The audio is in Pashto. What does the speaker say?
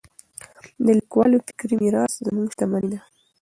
د لیکوالو فکري میراث زموږ شتمني ده.